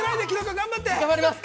◆頑張ります！